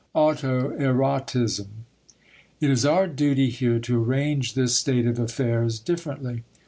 *Autoerotism.* It is our duty here to arrange this state of affairs differently.